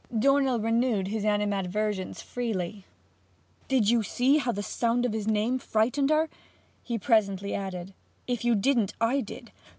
Dornell renewed his animadversions freely. 'Did you see how the sound of his name frightened her?' he presently added. 'If you didn't, I did.